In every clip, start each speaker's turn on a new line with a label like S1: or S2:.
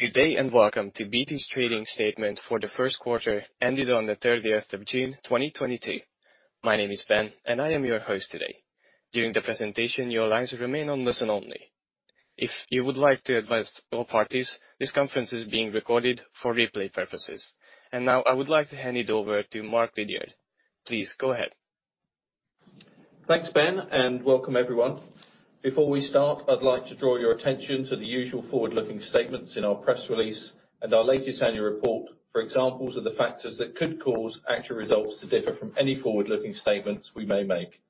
S1: Good day, and welcome to BT's trading statement for the first quarter, ended on the 30th of June 2022. My name is Ben, and I am your host today. During the presentation, your lines remain on listen only. If you would like to address all parties, this conference is being recorded for replay purposes. Now, I would like to hand it over to Mark Lidiard. Please go ahead.
S2: Thanks, Ben, and welcome everyone. Before we start, I'd like to draw your attention to the usual forward-looking statements in our press release and our latest annual report for examples of the factors that could cause actual results to differ from any forward-looking statements we may make.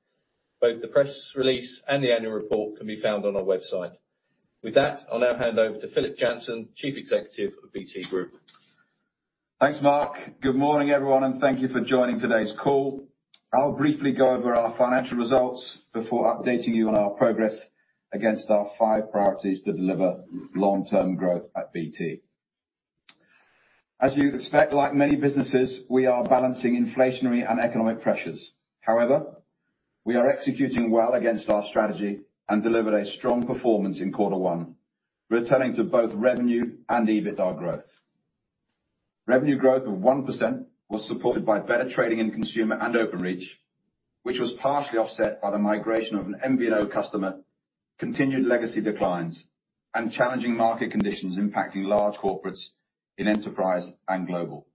S2: Both the press release and the annual report can be found on our website. With that, I'll now hand over to Philip Jansen, Chief Executive of BT Group.
S3: Thanks, Mark. Good morning, everyone, and thank you for joining today's call. I'll briefly go over our financial results before updating you on our progress against our five priorities to deliver long-term growth at BT. As you'd expect, like many businesses, we are balancing inflationary and economic pressures. However, we are executing well against our strategy and delivered a strong performance in quarter one, returning to both revenue and EBITDA growth. Revenue growth of 1% was supported by better trading in Consumer and Openreach, which was partially offset by the migration of an MVNO customer, continued legacy declines, and challenging market conditions impacting large corporates in Enterprise and Global.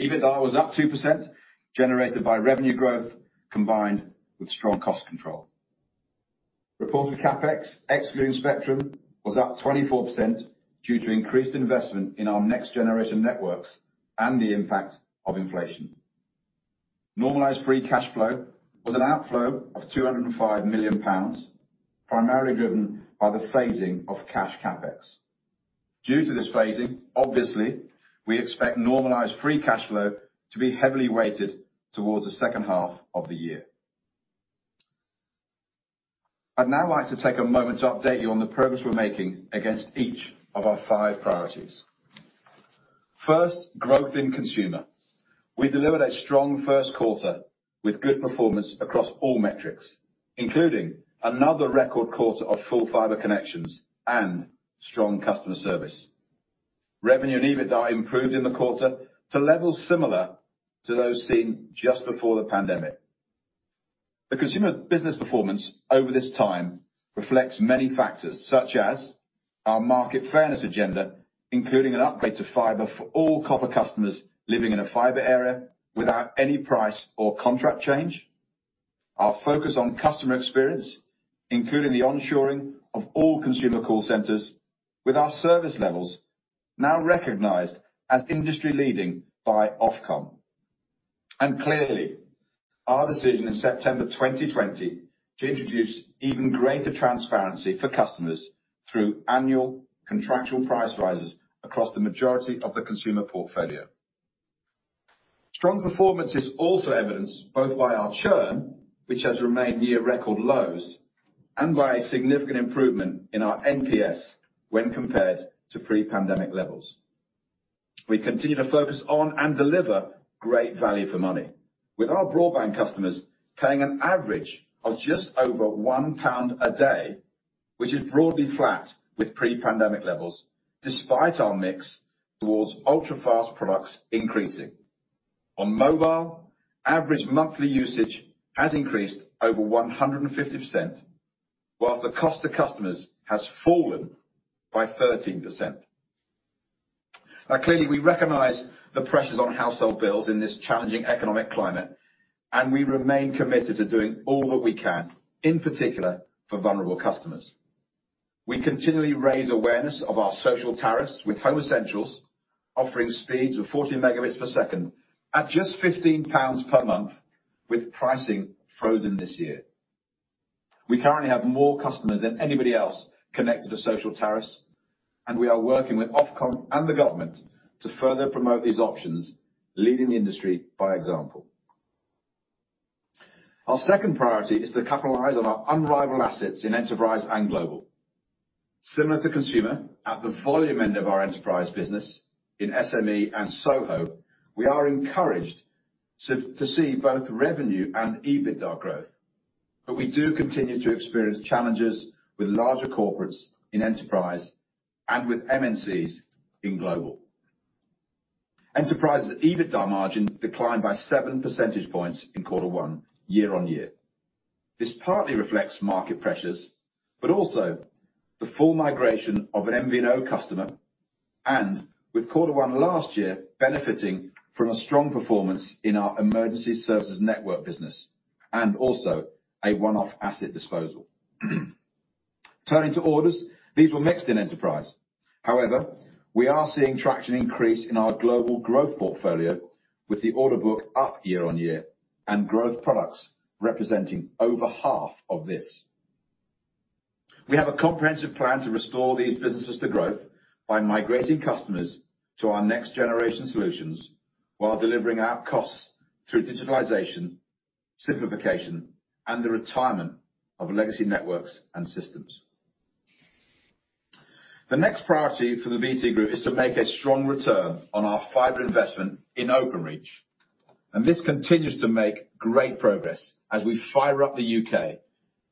S3: EBITDA was up 2%, generated by revenue growth, combined with strong cost control. Reported CapEx, excluding spectrum, was up 24% due to increased investment in our next generation networks and the impact of inflation. Normalized free cash flow was an outflow of 205 million pounds, primarily driven by the phasing of cash CapEx. Due to this phasing, obviously, we expect normalized free cash flow to be heavily weighted towards the second half of the year. I'd now like to take a moment to update you on the progress we're making against each of our five priorities. First, growth in consumer. We delivered a strong first quarter with good performance across all metrics, including another record quarter of full fiber connections and strong customer service. Revenue and EBITDA improved in the quarter to levels similar to those seen just before the pandemic. The consumer business performance over this time reflects many factors, such as our market fairness agenda, including an upgrade to fiber for all copper customers living in a fiber area without any price or contract change. Our focus on customer experience, including the onshoring of all consumer call centers with our service levels, now recognized as industry-leading by Ofcom. Clearly, our decision in September 2020 to introduce even greater transparency for customers through annual contractual price rises across the majority of the consumer portfolio. Strong performance is also evidenced both by our churn, which has remained near record lows, and by a significant improvement in our NPS when compared to pre-pandemic levels. We continue to focus on and deliver great value for money, with our broadband customers paying an average of just over 1 pound a day, which is broadly flat with pre-pandemic levels, despite our mix towards ultra-fast products increasing. On mobile, average monthly usage has increased over 150%, while the cost to customers has fallen by 13%. Now, clearly, we recognize the pressures on household bills in this challenging economic climate, and we remain committed to doing all that we can, in particular, for vulnerable customers. We continually raise awareness of our social tariffs with Home Essentials, offering speeds of 40 Mbps at just 15 pounds per month, with pricing frozen this year. We currently have more customers than anybody else connected to social tariffs, and we are working with Ofcom and the government to further promote these options, leading the industry by example. Our second priority is to capitalize on our unrivaled assets in enterprise and global. Similar to consumer, at the volume end of our enterprise business, in SME and SOHO, we are encouraged to see both revenue and EBITDA growth, but we do continue to experience challenges with larger corporates in enterprise and with MNCs in global. Enterprise EBITDA margin declined by seven percentage points in quarter one year-on-year. This partly reflects market pressures, but also the full migration of an MVNO customer, and with quarter one last year benefiting from a strong performance in our emergency services network business, and also a one-off asset disposal. Turning to orders, these were mixed in enterprise. However, we are seeing traction increase in our global growth portfolio with the order book up year-on-year and growth products representing over half of this. We have a comprehensive plan to restore these businesses to growth by migrating customers to our next-generation solutions while driving out costs through digitalization, simplification, and the retirement of legacy networks and systems. The next priority for the BT Group is to make a strong return on our fiber investment in Openreach. This continues to make great progress as we fiber up the U.K.,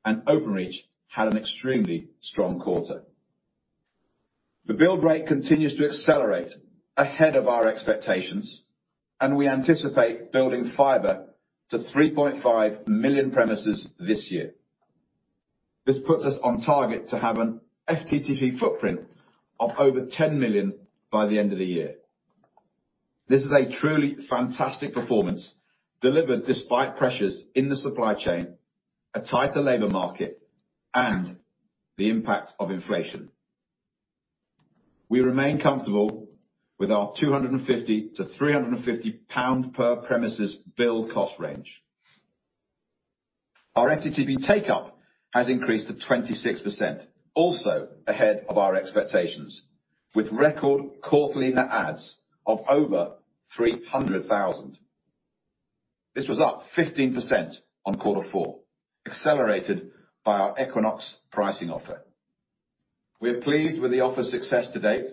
S3: and Openreach had an extremely strong quarter. The build rate continues to accelerate ahead of our expectations, and we anticipate building fiber to 3.5 million premises this year. This puts us on target to have an FTTP footprint of over 10 million by the end of the year. This is a truly fantastic performance delivered despite pressures in the supply chain, a tighter labor market, and the impact of inflation. We remain comfortable with our 250-350 pound per premises build cost range. Our FTTP take-up has increased to 26%, also ahead of our expectations, with record quarterly net adds of over 300,000. This was up 15% on quarter four, accelerated by our Equinox pricing offer. We are pleased with the offer's success to date,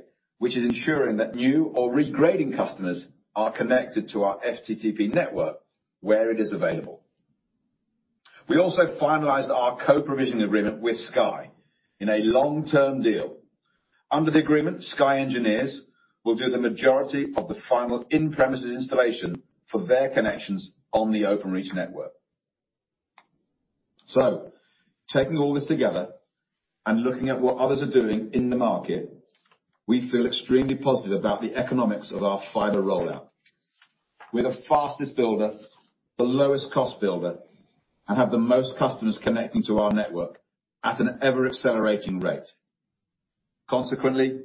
S3: which is ensuring that new or regrading customers are connected to our FTTP network where it is available. We also finalized our co-provision agreement with Sky in a long-term deal. Under the agreement, Sky engineers will do the majority of the final in-premises installation for their connections on the Openreach network. Taking all this together and looking at what others are doing in the market, we feel extremely positive about the economics of our fiber rollout. We're the fastest builder, the lowest cost builder, and have the most customers connecting to our network at an ever-accelerating rate. Consequently,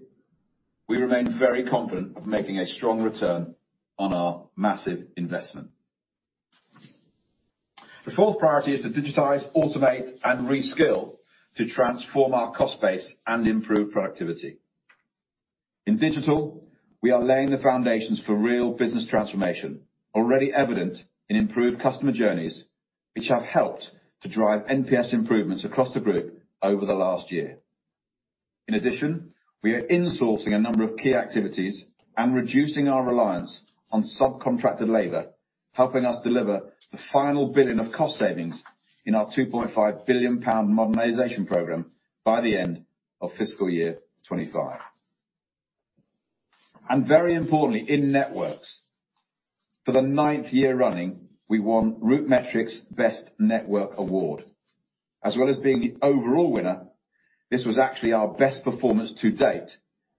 S3: we remain very confident of making a strong return on our massive investment. The fourth priority is to digitize, automate, and reskill to transform our cost base and improve productivity. In digital, we are laying the foundations for real business transformation, already evident in improved customer journeys, which have helped to drive NPS improvements across the group over the last year. In addition, we are insourcing a number of key activities and reducing our reliance on subcontracted labor, helping us deliver the final a billion of cost savings in our 2.5 billion pound modernization program by the end of fiscal year 2025. Very importantly, in networks, for the ninth year running, we won RootMetrics' Best Network Award. As well as being the overall winner, this was actually our best performance to date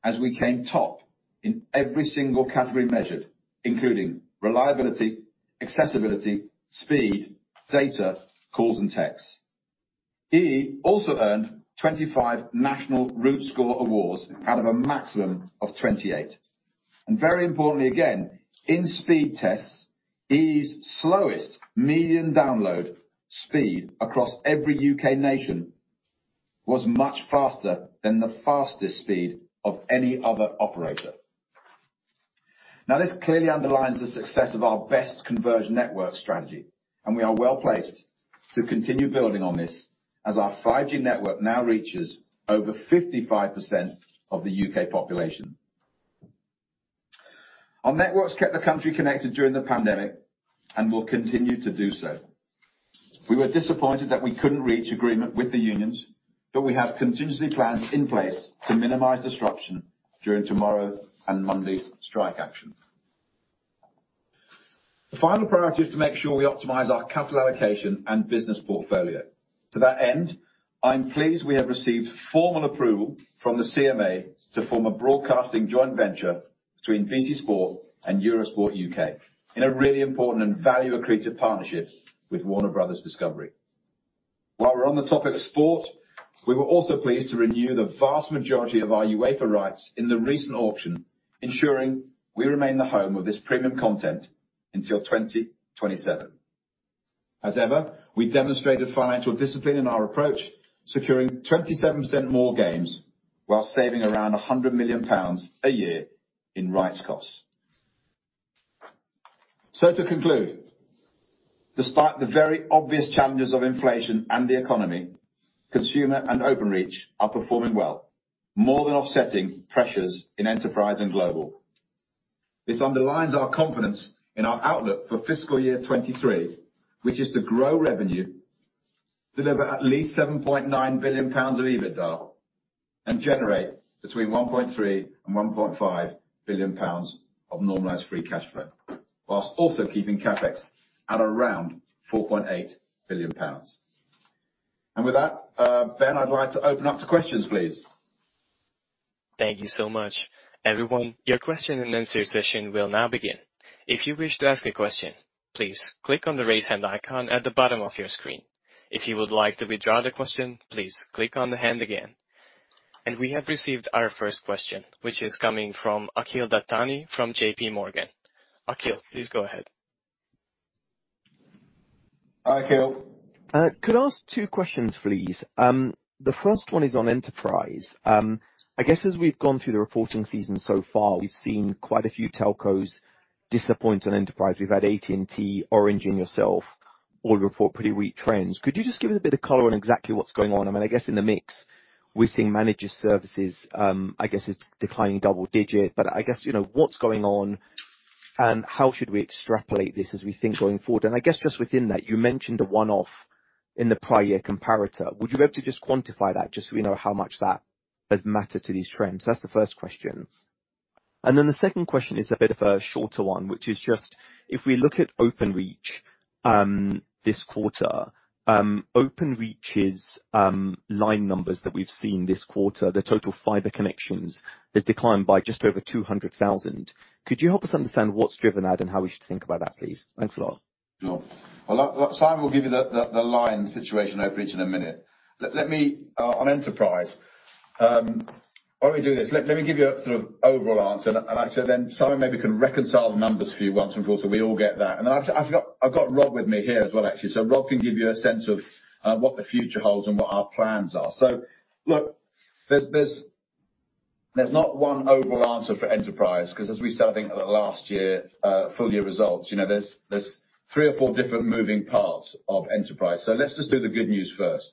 S3: as we came top in every single category measured, including reliability, accessibility, speed, data, calls, and texts. EE also earned 25 national RootScore awards out of a maximum of 28. Very importantly, again, in speed tests, EE's slowest median download speed across every U.K. nation was much faster than the fastest speed of any other operator. Now, this clearly underlines the success of our best converged network strategy, and we are well-placed to continue building on this as our 5G network now reaches over 55% of the U.K. population. Our networks kept the country connected during the pandemic and will continue to do so. We were disappointed that we couldn't reach agreement with the unions, but we have contingency plans in place to minimize disruption during tomorrow and Monday's strike action. The final priority is to make sure we optimize our capital allocation and business portfolio. To that end, I'm pleased we have received formal approval from the CMA to form a broadcasting joint venture between BT Sport and Eurosport U.K. in a really important and value-accretive partnership with Warner Bros. Discovery. While we're on the topic of sport, we were also pleased to renew the vast majority of our UEFA rights in the recent auction, ensuring we remain the home of this premium content until 2027. As ever, we demonstrated financial discipline in our approach, securing 27% more games while saving around 100 million pounds a year in rights costs. To conclude, despite the very obvious challenges of inflation and the economy, consumer and Openreach are performing well, more than offsetting pressures in enterprise and global. This underlines our confidence in our outlook for fiscal year 2023, which is to grow revenue, deliver at least 7.9 billion pounds of EBITDA, and generate between 1.3 billion and 1.5 billion pounds of normalized free cash flow, while also keeping CapEx at around 4.8 billion pounds. With that, Ben, I'd like to open up to questions, please.
S1: Thank you so much. Everyone, your question and answer session will now begin. If you wish to ask a question, please click on the raise hand icon at the bottom of your screen. If you would like to withdraw the question, please click on the hand again. We have received our first question, which is coming from Akhil Dattani from JPMorgan. Akhil, please go ahead.
S3: Hi, Akhil.
S4: Could I ask two questions, please? The first one is on enterprise. I guess as we've gone through the reporting season so far, we've seen quite a few telcos disappoint on enterprise. We've had AT&T, Orange, and yourself. All report pretty weak trends. Could you just give us a bit of color on exactly what's going on? I mean, I guess in the mix, we're seeing managed services, I guess it's declining double digit, but I guess, you know, what's going on, and how should we extrapolate this as we think going forward? I guess just within that, you mentioned a one-off in the prior year comparator. Would you be able to just quantify that just so we know how much that has mattered to these trends? That's the first question. The second question is a bit of a shorter one, which is just if we look at Openreach, this quarter, Openreach's line numbers that we've seen this quarter, the total fiber connections has declined by just over 200,000. Could you help us understand what's driven that and how we should think about that, please? Thanks a lot.
S3: Sure. Well, Simon will give you the line situation Openreach in a minute. Let me on Enterprise, while we do this, let me give you a sort of overall answer, and actually then Simon maybe can reconcile the numbers for you once we're through, so we all get that. I've got Rob with me here as well, actually. Rob can give you a sense of what the future holds and what our plans are. Look, there's not one overall answer for Enterprise because as we said, I think at the last year full year results, you know, there's three or four different moving parts of Enterprise. Let's just do the good news first.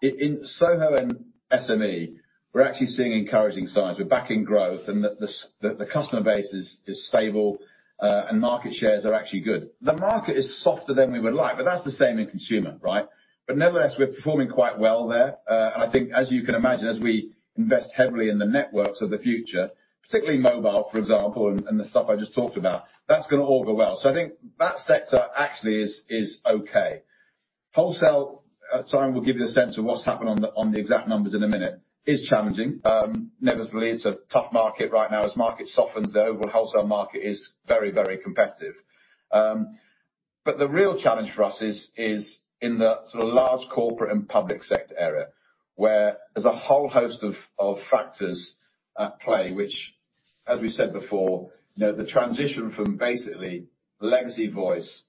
S3: In SOHO and SME, we're actually seeing encouraging signs. We're back in growth and the customer base is stable, and market shares are actually good. The market is softer than we would like, but that's the same in consumer, right? Nevertheless, we're performing quite well there. I think as you can imagine, as we invest heavily in the networks of the future, particularly mobile, for example, and the stuff I just talked about, that's gonna all go well. I think that sector actually is okay. Wholesale, Simon will give you a sense of what's happened on the exact numbers in a minute, is challenging. Nevertheless, it's a tough market right now. As market softens, the overall wholesale market is very, very competitive. The real challenge for us is in the sort of large corporate and public sector area, where there's a whole host of factors at play, which, as we said before, you know, the transition from basically legacy voice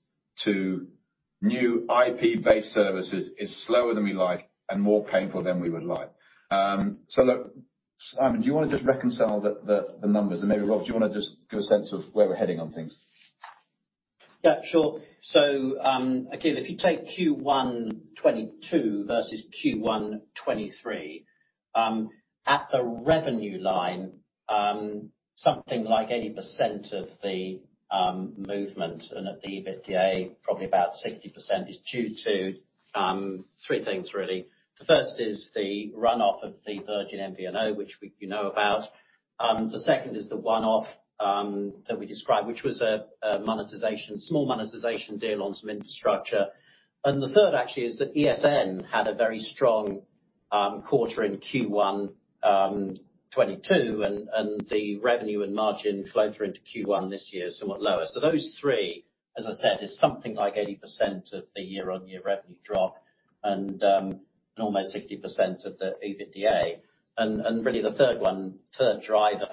S3: to new IP-based services is slower than we like and more painful than we would like. Look, Simon, do you wanna just reconcile the numbers? Maybe, Rob, do you wanna just give a sense of where we're heading on things?
S5: Yeah, sure. Again, if you take Q1 2022 versus Q1 2023, at the revenue line, something like 80% of the movement and at the EBITDA, probably about 60% is due to three things really. The first is the run-off of the Virgin MVNO, which we you know about. The second is the one-off that we described, which was a small monetization deal on some infrastructure. And the third actually is that ESN had a very strong quarter in Q1 2022, and the revenue and margin flow through into Q1 this year is somewhat lower. Those three, as I said, is something like 80% of the year-on-year revenue drop and almost 60% of the EBITDA. Really the third one, third driver,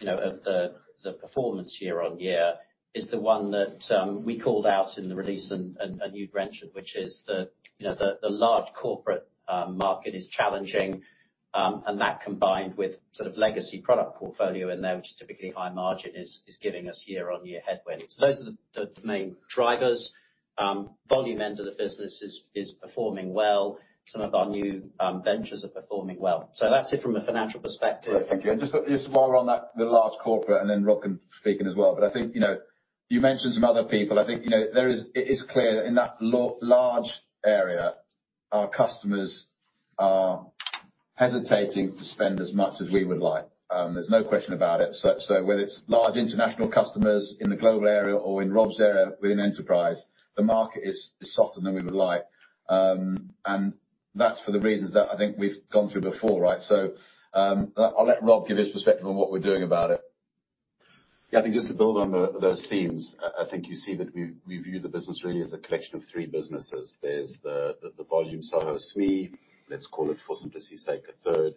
S5: you know, of the performance year-on-year is the one that we called out in the release and you'd mentioned, which is, you know, the large corporate market is challenging. That combined with sort of legacy product portfolio in there, which is typically high-margin, is giving us year-on-year headwind. Those are the main drivers. Volume end of the business is performing well. Some of our new ventures are performing well. That's it from a financial perspective.
S3: Great. Thank you. Just while we're on that, the large corporate and then Rob can speak in as well. I think, you know, you mentioned some other people. I think, you know, it is clear that in that large area, our customers are hesitating to spend as much as we would like. There's no question about it. Whether it's large international customers in the global area or in Rob's area within Enterprise, the market is softer than we would like. That's for the reasons that I think we've gone through before, right? I'll let Rob give his perspective on what we're doing about it.
S5: Yeah, I think just to build on those themes. I think you see that we view the business really as a collection of three businesses. There's the volume SOHO SME, let's call it for simplicity's sake, a third.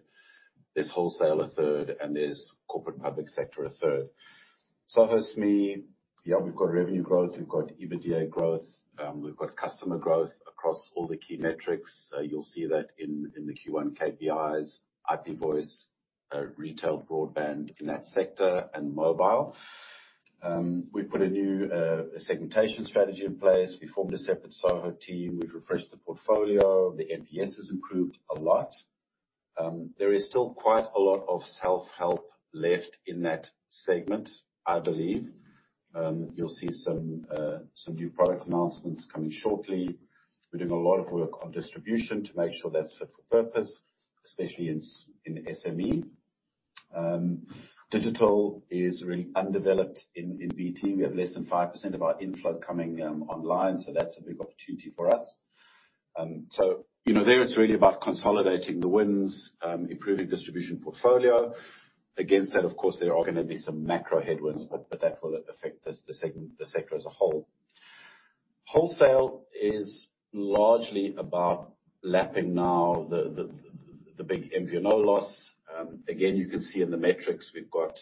S5: There's wholesale, a third, and there's corporate public sector, a third. SOHO SME, yeah, we've got revenue growth, we've got EBITDA growth, we've got customer growth across all the key metrics. You'll see that in the Q1 KPIs, IP Voice, retail broadband in that sector and mobile. We've put a new segmentation strategy in place. We formed a separate SOHO team. We've refreshed the portfolio. The NPS has improved a lot. There is still quite a lot of self-help left in that segment, I believe. You'll see some new product announcements coming shortly. We're doing a lot of work on distribution to make sure that's fit for purpose, especially in SME. Digital is really undeveloped in BT. We have less than 5% of our inflow coming online, so that's a big opportunity for us. You know, there it's really about consolidating the wins, improving distribution portfolio. Against that, of course, there are gonna be some macro headwinds, but that will affect the sector as a whole. Wholesale is largely about lapping now the big MVNO loss. Again, you can see in the metrics we've got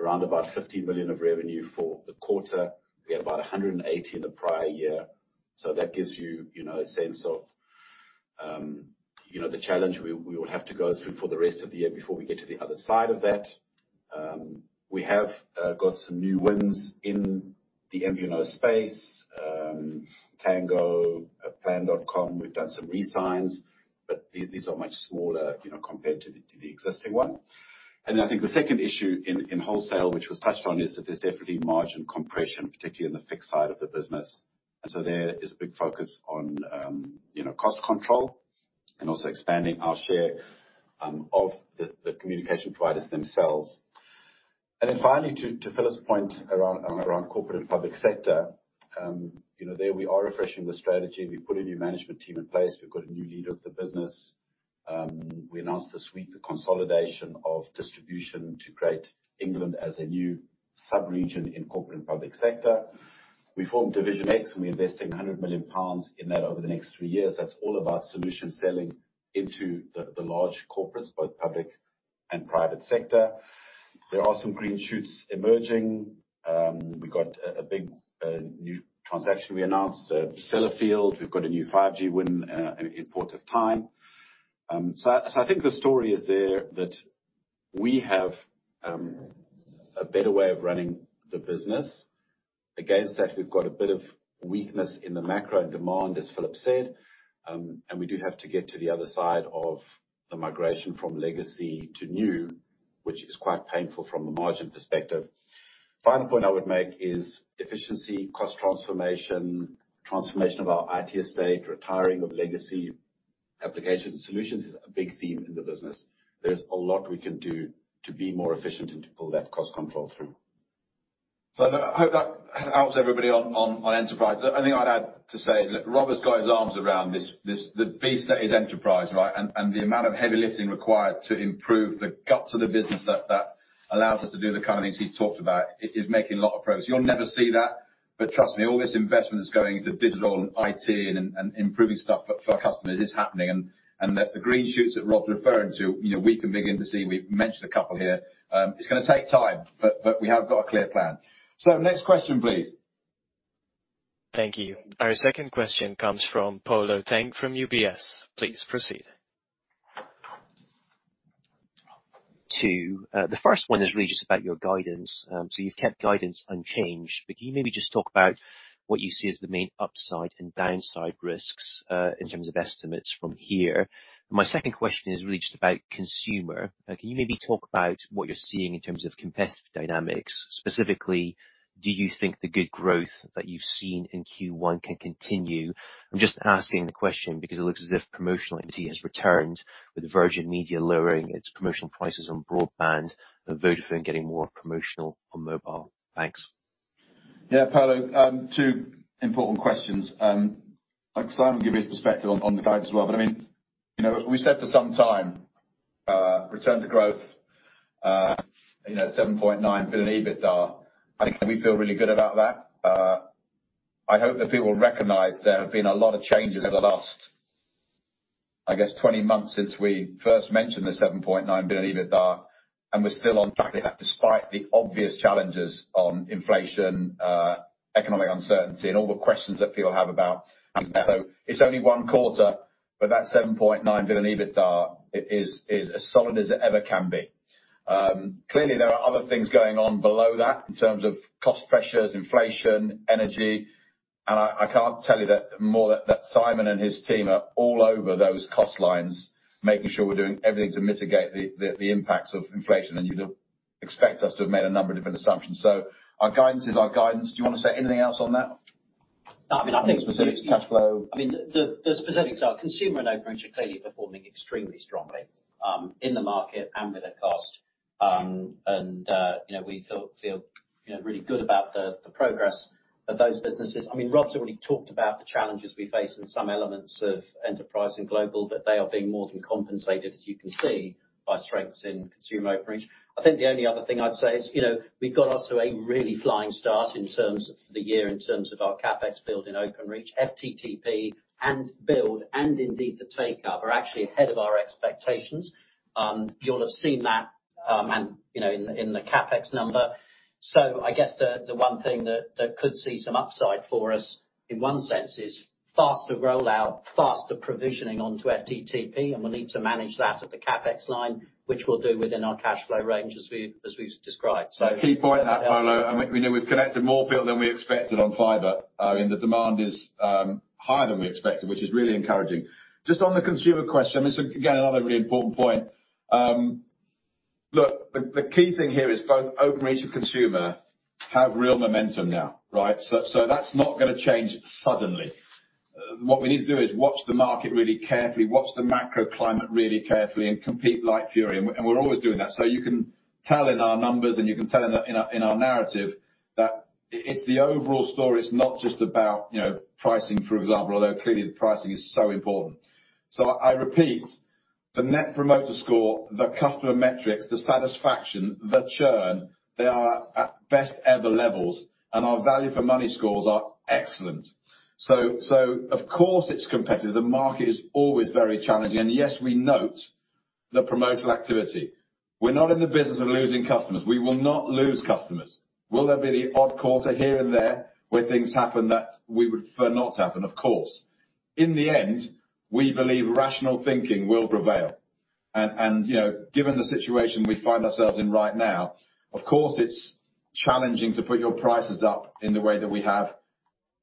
S5: around about 50 million of revenue for the quarter. We had about 180 million in the prior year. That gives you know, a sense of the challenge we will have to go through for the rest of the year before we get to the other side of that. We have got some new wins in the MVNO space, Tango, plan.com. We've done some re-signs, but these are much smaller, you know, compared to the existing one. I think the second issue in wholesale, which was touched on, is that there's definitely margin compression, particularly in the fixed side of the business. There is a big focus on, you know, cost control and also expanding our share of the communication providers themselves. Finally, to Philip's point around corporate and public sector, you know, there we are refreshing the strategy. We put a new management team in place. We've got a new leader of the business. We announced this week the consolidation of distribution to Great England as a new sub-region in corporate and public sector. We formed Division X, and we're investing 100 million pounds in that over the next three years. That's all about solution selling into the large corporates, both public and private sector. There are some green shoots emerging. We've got a big new transaction we announced, Sellafield. We've got a new 5G win in Port of Tyne. I think the story is there that we have a better way of running the business. Against that we've got a bit of weakness in the macro and demand, as Philip said, and we do have to get to the other side of the migration from legacy to new, which is quite painful from a margin perspective. Final point I would make is efficiency, cost transformation of our IT estate, retiring of legacy applications and solutions is a big theme in the business. There's a lot we can do to be more efficient and to pull that cost control through.
S3: I hope that helps everybody on Enterprise. The only thing I'd add to say that Rob has got his arms around this, the beast that is Enterprise, right? The amount of heavy lifting required to improve the guts of the business that allows us to do the kind of things he's talked about is making a lot of progress. You'll never see that, but trust me, all this investment is going to digital and IT and improving stuff for our customers is happening. The green shoots that Rob's referring to, you know, we can begin to see. We've mentioned a couple here. It's gonna take time, but we have got a clear plan. Next question, please.
S1: Thank you. Our second question comes from Polo Tang from UBS. Please proceed.
S6: Two, the first one is really just about your guidance. So you've kept guidance unchanged, but can you maybe just talk about what you see as the main upside and downside risks, in terms of estimates from here? My second question is really just about consumer. Can you maybe talk about what you're seeing in terms of competitive dynamics? Specifically, do you think the good growth that you've seen in Q1 can continue? I'm just asking the question because it looks as if promotional intensity has returned with Virgin Media lowering its promotional prices on broadband and Vodafone getting more promotional on mobile. Thanks.
S3: Yeah, Polo Tang, two important questions. I'll let Simon Lowth give you his perspective on the guidance as well. I mean, you know, we said for some time, return to growth, you know, 7.9 billion EBITDA, I think we feel really good about that. I hope that people recognize there have been a lot of changes over the last, I guess, 20 months since we first mentioned the 7.9 billion EBITDA, and we're still on track despite the obvious challenges on inflation, economic uncertainty, and all the questions that people have about. It's only one quarter, but that 7.9 billion EBITDA is as solid as it ever can be. Clearly there are other things going on below that in terms of cost pressures, inflation, energy. I can't tell you more than that Simon and his team are all over those cost lines, making sure we're doing everything to mitigate the impacts of inflation. You'd expect us to have made a number of different assumptions. Our guidance is our guidance. Do you wanna say anything else on that?
S5: I mean, I think.
S3: Specific cash flow.
S5: I mean, the specifics are Consumer and Openreach are clearly performing extremely strongly in the market and with our cost. You know, we feel you know, really good about the progress of those businesses. I mean, Rob's already talked about the challenges we face in some elements of Enterprise and Global, but they are being more than compensated, as you can see, by strengths in Consumer and Openreach. I think the only other thing I'd say is, you know, we got off to a really flying start in terms of the year, in terms of our CapEx build in Openreach, FTTP, and build, and indeed the take-up are actually ahead of our expectations. You'll have seen that, and you know, in the CapEx number. I guess the one thing that could see some upside for us, in one sense, is faster rollout, faster provisioning onto FTTP, and we'll need to manage that at the CapEx line, which we'll do within our cash flow range as we've described.
S3: Key point, that, Polo Tang. I mean, we know we've built more than we expected on fiber, and the demand is higher than we expected, which is really encouraging. Just on the consumer question, this is again, another really important point. Look, the key thing here is both Openreach and Consumer have real momentum now, right? That's not gonna change suddenly. What we need to do is watch the market really carefully, watch the macro climate really carefully and compete like fury. We're always doing that. You can tell in our numbers, and you can tell in our narrative that it's the overall story. It's not just about, you know, pricing, for example, although clearly the pricing is so important. I repeat, the net promoter score, the customer metrics, the satisfaction, the churn, they are at best ever levels, and our value for money scores are excellent. Of course it's competitive. The market is always very challenging. Yes, we note the promotional activity. We're not in the business of losing customers. We will not lose customers. Will there be the odd quarter here and there where things happen that we would prefer not to happen? Of course. In the end, we believe rational thinking will prevail. you know, given the situation we find ourselves in right now, of course, it's challenging to put your prices up in the way that we have,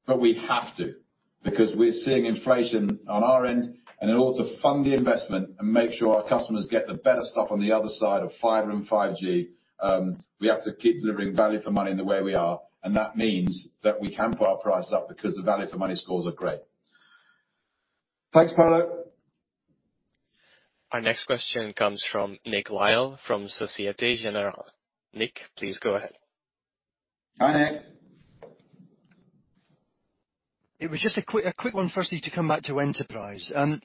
S3: but we have to because we're seeing inflation on our end and in order to fund the investment and make sure our customers get the better stuff on the other side of fiber and 5G, we have to keep delivering value for money in the way we are, and that means that we can put our prices up because the value for money scores are great. Thanks, Polo Tang.
S1: Our next question comes from Nick Lyall from Société Générale. Nick, please go ahead.
S3: Hi, Nick.
S7: It was just a quick one firstly to come back to enterprise. On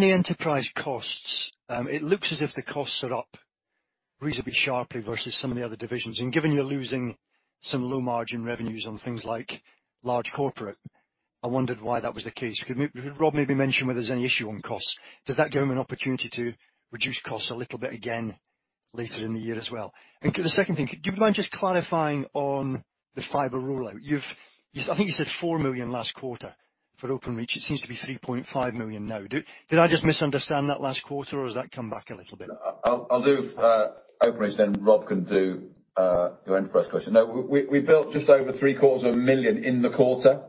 S7: the enterprise costs, it looks as if the costs are up reasonably sharply versus some of the other divisions. Given you're losing some low-margin revenues on things like large corporate, I wondered why that was the case. Could Rob maybe mention whether there's any issue on costs? Does that give him an opportunity to reduce costs a little bit again later in the year as well? The second thing, do you mind just clarifying on the fiber rollout. I think you said GDP 4 million last quarter for Openreach. It seems to be GDP 3.5 million now. Did I just misunderstand that last quarter, or has that come back a little bit?
S3: I'll do Openreach, then Rob can do your enterprise question. No. We built just over three-quarters of a million in the quarter,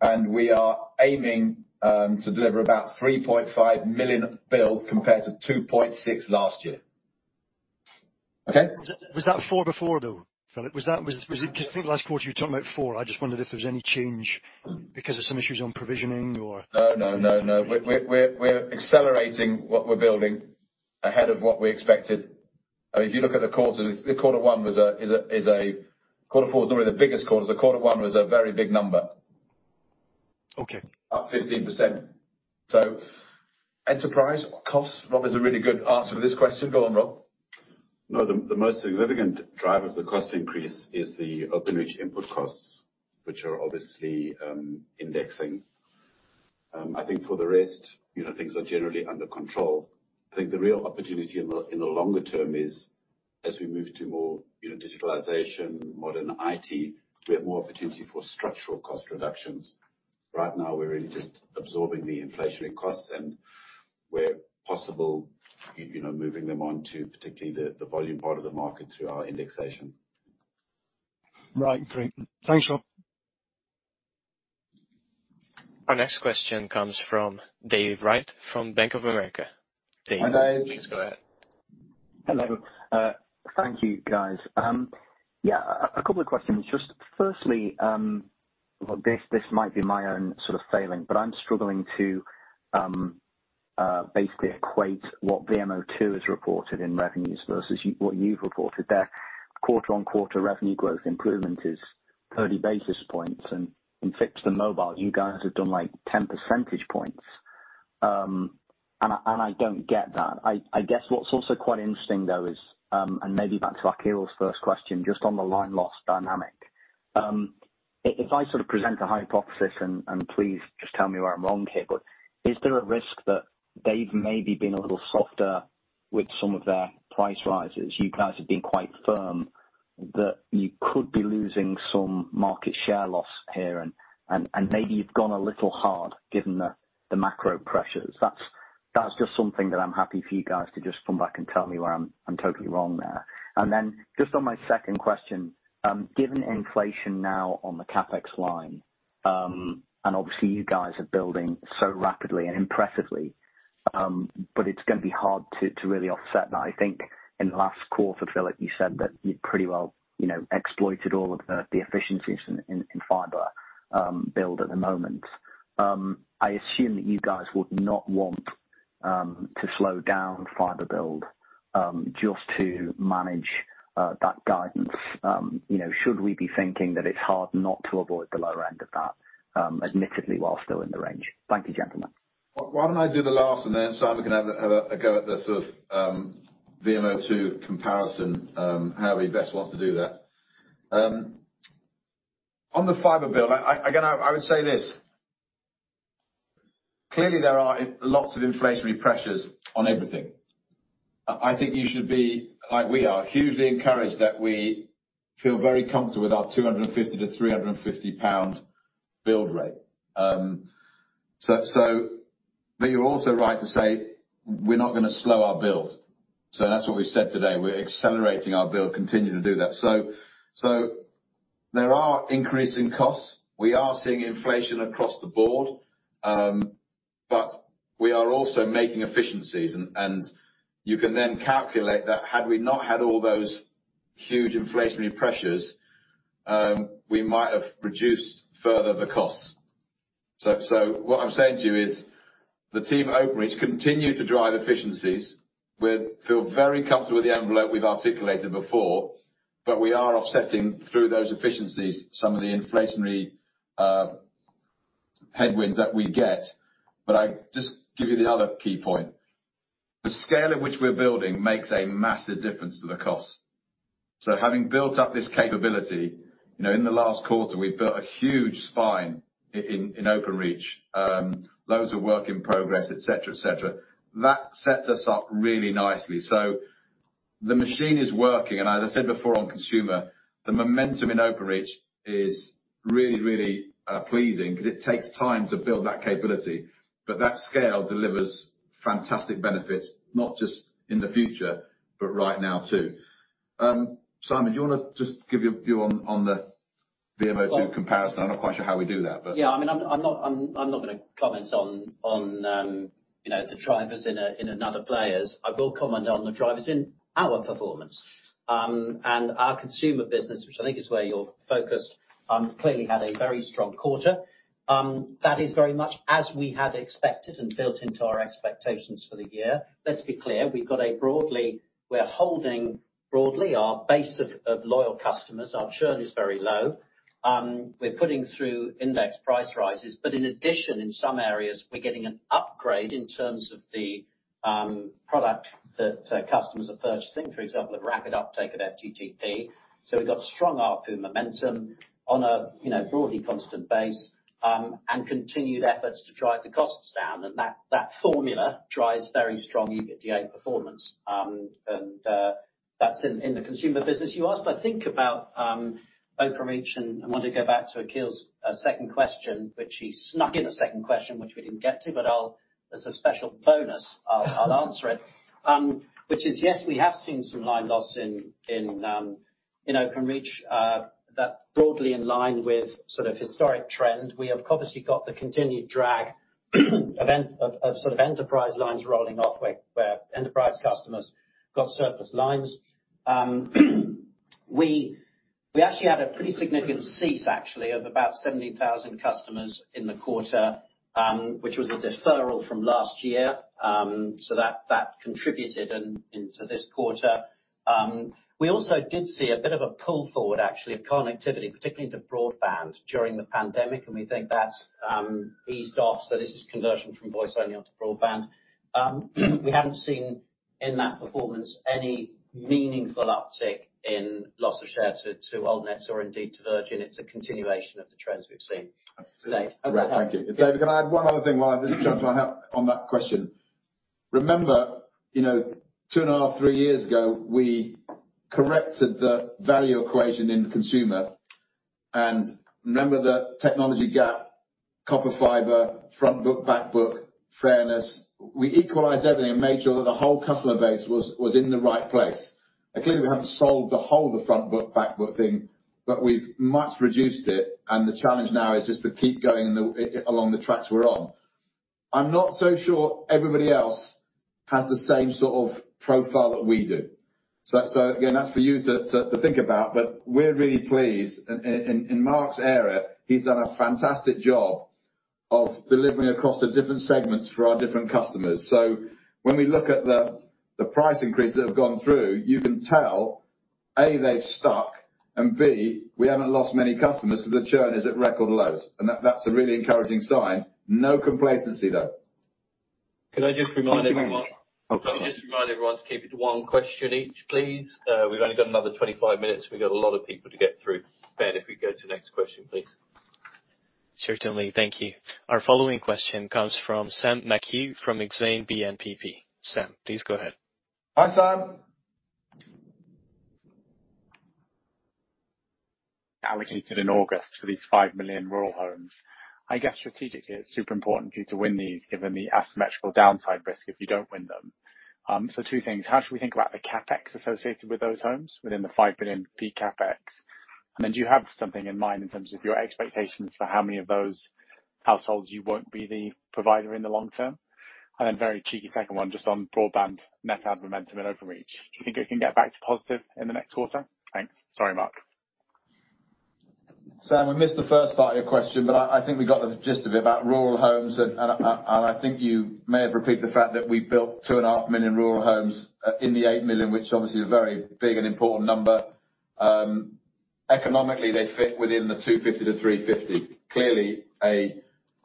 S3: and we are aiming to deliver about GDP 3.5 million build compared to 2.6 last year. Okay?
S7: Was that four before, though, Philip? 'Cause I think last quarter you were talking about four. I just wondered if there was any change because of some issues on provisioning or.
S3: No. We're accelerating what we're building ahead of what we expected. I mean, if you look at the quarters, the quarter one, quarter four was already the biggest quarter. Quarter one was a very big number.
S7: Okay.
S3: Up 15%. Enterprise costs, Rob has a really good answer to this question. Go on, Rob.
S5: No, the most significant driver of the cost increase is the Openreach input costs, which are obviously indexing. I think for the rest, you know, things are generally under control. I think the real opportunity in the longer term is as we move to more, you know, digitalization, modern IT, we have more opportunity for structural cost reductions. Right now, we're really just absorbing the inflationary costs and where possible, you know, moving them on to particularly the volume part of the market through our indexation.
S7: Right. Great. Thanks, Rob.
S1: Our next question comes from David Wright from Bank of America.
S3: Hi, Dave.
S1: Please go ahead.
S8: Hello. Thank you, guys. Yeah, a couple of questions. Just firstly, this might be my own sort of failing, but I'm struggling to basically equate what VMO2 has reported in revenues versus what you've reported. Their quarter-on-quarter revenue growth improvement is 30 basis points and in fixed and mobile, you guys have done like 10 percentage points. I don't get that. I guess what's also quite interesting, though, is maybe back to Akhil first question, just on the line loss dynamic. If I sort of present a hypothesis, and please just tell me where I'm wrong here, but is there a risk that they've maybe been a little softer with some of their price rises, you guys have been quite firm, that you could be losing some market share loss here and maybe you've gone a little hard given the macro pressures? That's just something that I'm happy for you guys to just come back and tell me where I'm totally wrong there. Then just on my second question, given inflation now on the CapEx line, and obviously you guys are building so rapidly and impressively, but it's gonna be hard to really offset that. I think in the last quarter, Philip, you said that you pretty well, you know, exploited all of the the efficiencies in fiber build at the moment. I assume that you guys would not want to slow down fiber build just to manage that guidance. You know, should we be thinking that it's hard not to avoid the low end of that, admittedly, while still in the range? Thank you, gentlemen.
S3: Why don't I do the last and then Simon can have a go at the sort of VMO2 comparison, however he best wants to do that. On the fiber build, again, I would say this, clearly there are lots of inflationary pressures on everything. I think you should be, like we are, hugely encouraged that we feel very comfortable with our 250-350 pound build rate. You're also right to say we're not gonna slow our build. That's what we said today, we're accelerating our build, continue to do that. There are increasing costs. We are seeing inflation across the board, but we are also making efficiencies and you can then calculate that had we not had all those huge inflationary pressures, we might have reduced further the costs. What I'm saying to you is the team at Openreach continue to drive efficiencies. We feel very comfortable with the envelope we've articulated before, but we are offsetting through those efficiencies some of the inflationary headwinds that we get. I just give you the other key point. The scale at which we're building makes a massive difference to the cost. Having built up this capability, you know, in the last quarter, we've built a huge spine in Openreach, loads of work in progress, etc. That sets us up really nicely. The machine is working, and as I said before on consumer, the momentum in Openreach is really pleasing 'cause it takes time to build that capability. That scale delivers fantastic benefits, not just in the future, but right now too. Simon, do you wanna just give your view on the VMO2 comparison? I'm not quite sure how we do that, but.
S9: Yeah, I mean, I'm not gonna comment on, you know, the drivers in another player's. I will comment on the drivers in our performance. Our consumer business, which I think is where you're focused, clearly had a very strong quarter. That is very much as we had expected and built into our expectations for the year. Let's be clear, we're holding broadly our base of loyal customers. Our churn is very low. We're putting through index price rises. But in addition, in some areas, we're getting an upgrade in terms of the product that customers are purchasing. For example, the rapid uptake of FTTP. We've got strong ARPU momentum on a, you know, broadly constant base, and continued efforts to drive the costs down, and that formula drives very strong EBITDA performance. That's in the consumer business. You asked, I think, about Openreach, and I want to go back to Akhil's second question, which he snuck in a second question, which we didn't get to, but I'll, as a special bonus, I'll answer it. Which is, yes, we have seen some line loss in Openreach, that broadly in line with sort of historic trend. We have obviously got the continued drag of of sort of enterprise lines rolling off where enterprise customers got surplus lines. We actually had a pretty significant cease actually of about 70,000 customers in the quarter, which was a deferral from last year. That contributed into this quarter. We also did see a bit of a pull forward actually of connectivity, particularly into broadband during the pandemic, and we think that's eased off. This is conversion from voice-only onto broadband. We haven't seen in that performance any meaningful uptick in loss of share to Altnet or indeed to Virgin. It's a continuation of the trends we've seen.
S3: Thank you. David, can I add one other thing while I just jumped on that, on that question? Remember, you know, 2.5-3 years ago, we corrected the value equation in consumer. Remember the technology gap, copper fiber, front book, back book, fairness. We equalized everything and made sure that the whole customer base was in the right place. Clearly, we haven't solved the whole front book, back book thing, but we've much reduced it and the challenge now is just to keep going along the tracks we're on. I'm not so sure everybody else has the same sort of profile that we do. So again, that's for you to think about, but we're really pleased. In Mark's area, he's done a fantastic job of delivering across the different segments for our different customers. When we look at the price increases that have gone through, you can tell, A, they've stuck, and B, we haven't lost many customers, so the churn is at record lows. That's a really encouraging sign. No complacency, though.
S2: Can I just remind everyone?
S3: Thank you very much.
S2: Can I just remind everyone to keep it to one question each, please? We've only got another 25 minutes. We've got a lot of people to get through. Ben, if we go to the next question, please.
S1: Certainly. Thank you. Our following question comes from Sam McHugh from Exane BNP. Sam, please go ahead.
S3: Hi, Sam.
S10: Allocated in August for these 5 million rural homes. I guess strategically it's super important for you to win these, given the asymmetrical downside risk if you don't win them. Two things. How should we think about the CapEx associated with those homes within the 5 billion peak CapEx? Do you have something in mind in terms of your expectations for how many of those households you won't be the provider in the long term? Very cheeky second one just on broadband net add momentum in Openreach. Do you think it can get back to positive in the next quarter? Thanks. Sorry, Mark.
S3: Sam, I missed the first part of your question, but I think we got the gist of it about rural homes. I think you may have repeated the fact that we built 2.5 million rural homes in the 8 million, which obviously is a very big and important number. Economically, they fit within 250-350. Clearly, a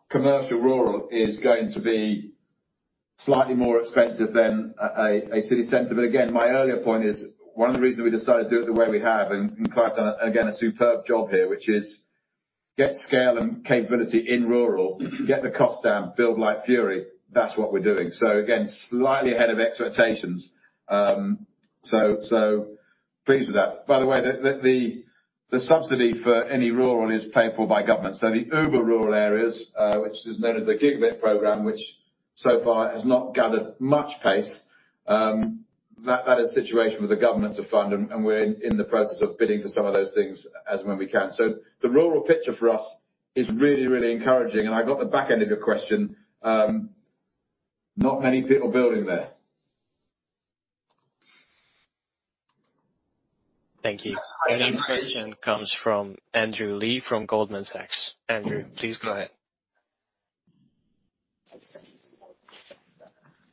S3: commercial rural is going to be slightly more expensive than a city center. Again, my earlier point is, one of the reasons we decided to do it the way we have, and Clive done, again, a superb job here, which is get scale and capability in rural, get the cost down, build like fury. That's what we're doing. Again, slightly ahead of expectations. Pleased with that. By the way, the subsidy for any rural is paid for by government. The super rural areas, which is known as the Project Gigabit, which so far has not gathered much pace, that's the situation for the government to fund, and we're in the process of bidding for some of those things as and when we can. The rural picture for us is really, really encouraging. I got the back end of your question. Not many people building there.
S1: Thank you. Our next question comes from Andrew Lee from Goldman Sachs. Andrew, please go ahead.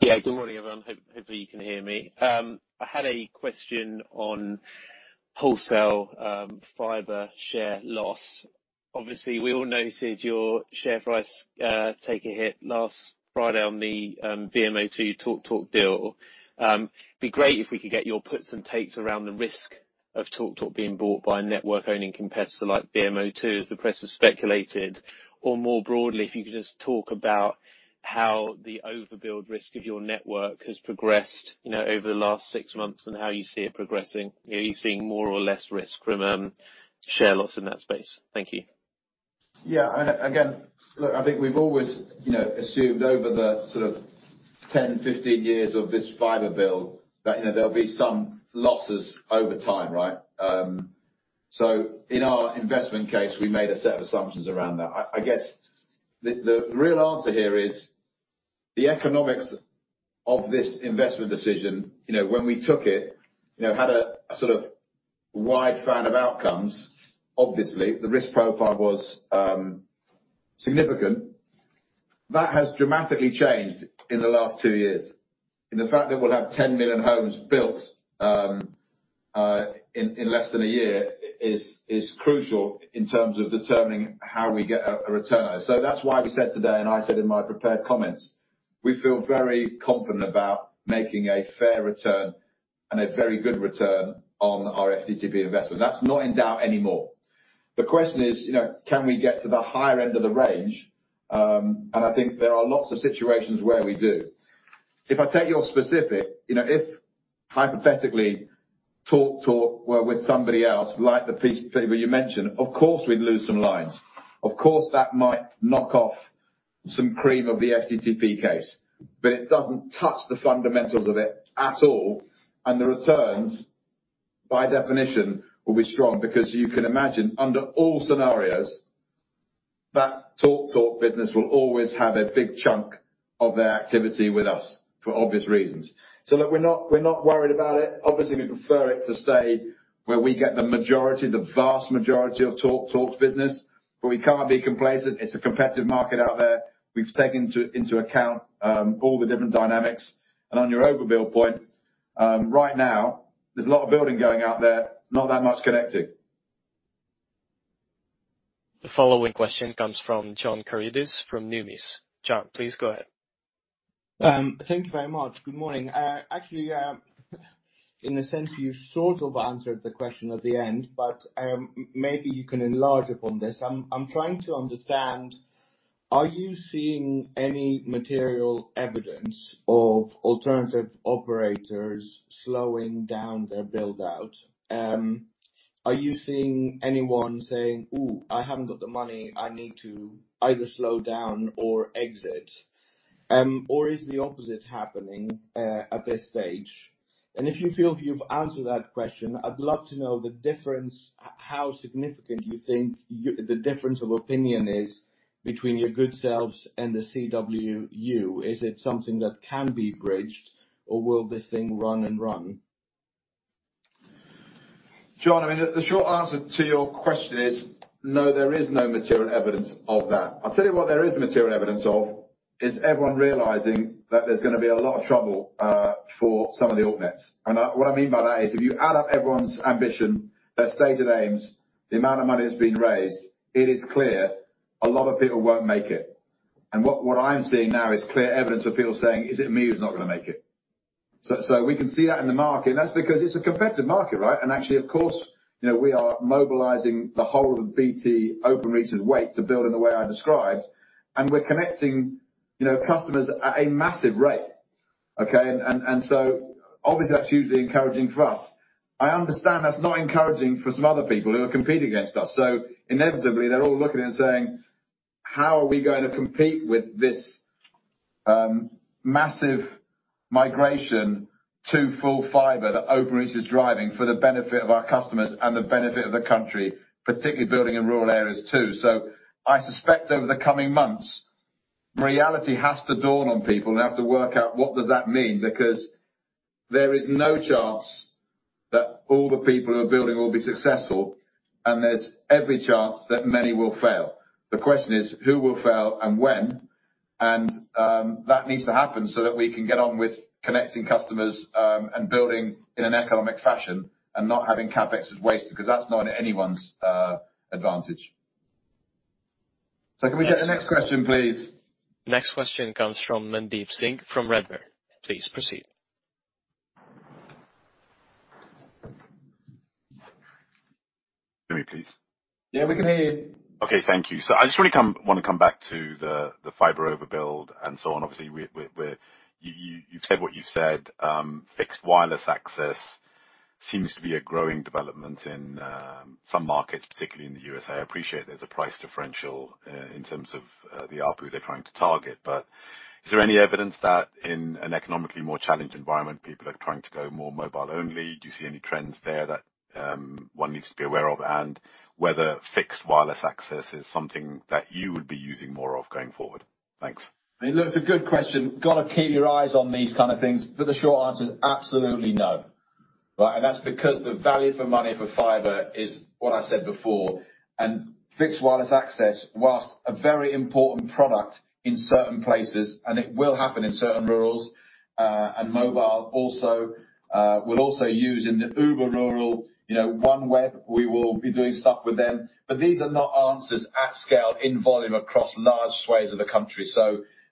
S11: Yeah, good morning, everyone. Hopefully you can hear me. I had a question on wholesale fiber share loss. Obviously, we all noticed your share price take a hit last Friday on the VMO2 TalkTalk deal. Be great if we could get your puts and takes around the risk of TalkTalk being bought by a network-owning competitor like VMO2, as the press has speculated, or more broadly, if you could just talk about how the overbuild risk of your network has progressed, you know, over the last six months, and how you see it progressing. Are you seeing more or less risk from share loss in that space? Thank you.
S3: Yeah. Again, look, I think we've always, you know, assumed over the sort of 10, 15 years of this fiber build that, you know, there'll be some losses over time, right? So in our investment case, we made a set of assumptions around that. I guess the real answer here is the economics of this investment decision, you know, when we took it, you know, had a sort of wide fan of outcomes, obviously. The risk profile was significant. That has dramatically changed in the last two years. The fact that we'll have 10 million homes built in less than a year is crucial in terms of determining how we get a return. That's why we said today, and I said in my prepared comments, we feel very confident about making a fair return and a very good return on our FTTP investment. That's not in doubt anymore. The question is, you know, can we get to the higher end of the range? I think there are lots of situations where we do. You know, if hypothetically TalkTalk were with somebody else, like the piece, favor you mentioned, of course, we'd lose some lines. Of course, that might knock off some cream of the FTTP case, but it doesn't touch the fundamentals of it at all. The returns, by definition, will be strong, because you can imagine, under all scenarios, that TalkTalk business will always have a big chunk of their activity with us for obvious reasons. Look, we're not worried about it. Obviously, we'd prefer it to stay where we get the majority, the vast majority of TalkTalk's business, but we can't be complacent. It's a competitive market out there. We've taken into account all the different dynamics. On your overbuild point, right now, there's a lot of building going out there, not that much connecting.
S1: The following question comes from John Karidis from Numis. John, please go ahead.
S12: Thank you very much. Good morning. Actually, in a sense, you sort of answered the question at the end, but maybe you can enlarge upon this. I'm trying to understand, are you seeing any material evidence of alternative operators slowing down their build-out? Are you seeing anyone saying, "Ooh, I haven't got the money. I need to either slow down or exit"? Or is the opposite happening at this stage? If you feel you've answered that question, I'd love to know the difference, how significant you think the difference of opinion is between your good selves and the CWU. Is it something that can be bridged, or will this thing run and run?
S3: John, I mean, the short answer to your question is no, there is no material evidence of that. I'll tell you what there is material evidence of is everyone realizing that there's gonna be a lot of trouble for some of the alt nets. What I mean by that is if you add up everyone's ambition, their stated aims, the amount of money that's been raised, it is clear a lot of people won't make it. What I'm seeing now is clear evidence of people saying, "Is it me who's not gonna make it?" We can see that in the market, and that's because it's a competitive market, right? Actually, of course, you know, we are mobilizing the whole of BT Openreach's weight to build in the way I described, and we're connecting, you know, customers at a massive rate, okay? Obviously that's hugely encouraging for us. I understand that's not encouraging for some other people who are competing against us. Inevitably, they're all looking and saying, "How are we going to compete with this, massive migration to full fiber that Openreach is driving for the benefit of our customers and the benefit of the country, particularly building in rural areas too?" I suspect over the coming months, reality has to dawn on people, and they have to work out what does that mean, because there is no chance that all the people who are building will be successful, and there's every chance that many will fail. The question is who will fail and when? That needs to happen so that we can get on with connecting customers, and building in an economic fashion and not having CapEx as waste, because that's not in anyone's advantage.
S2: Can we get the next question, please?
S1: Next question comes from Mandeep Singh from Redburn. Please proceed.
S13: Can you hear me, please?
S3: Yeah, we can hear you.
S13: Okay, thank you. I just wanna come back to the fiber overbuild and so on. Obviously, you've said what you've said. Fixed Wireless Access seems to be a growing development in some markets, particularly in the U.S. I appreciate there's a price differential in terms of the ARPU they're trying to target. Is there any evidence that in an economically more challenged environment, people are trying to go more mobile only? Do you see any trends there that one needs to be aware of, and whether Fixed Wireless Access is something that you would be using more of going forward? Thanks.
S3: It's a good question. Gotta keep your eyes on these kinda things, but the short answer is absolutely no. Right, that's because the value for money for fiber is what I said before. Fixed Wireless Access, while a very important product in certain places, and it will happen in certain rurals, and mobile also, will also use in the ultra rural, you know, OneWeb, we will be doing stuff with them. These are not answers at scale in volume across large swathes of the country.